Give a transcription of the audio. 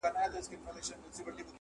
پخپله ورک یمه چي چیري به دي بیا ووینم-